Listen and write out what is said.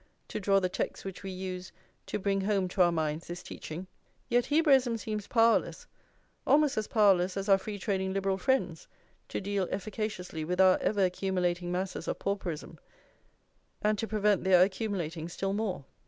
to draw the texts which we use to bring home to our minds this teaching; yet Hebraism seems powerless, almost as powerless as our free trading Liberal friends, to deal efficaciously with our ever accumulating masses of pauperism, and to prevent their accumulating still more.